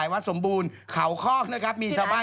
วัดสมบูรณ์เขาคอกนะครับมีชาวบ้าน